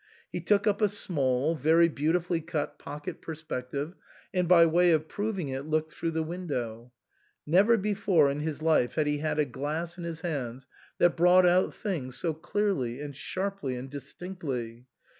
He took up a small, very beautifully cut pocket perspective, and by way of proving it looked through the window. Never before in his life had he had a glass in his hands that brought out things so clearly and sharply and dis tinctly.